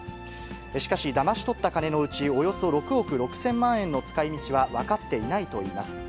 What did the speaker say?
しかし、だまし取った金のうち、およそ６億６０００万円の使いみちは分かっていないといいます。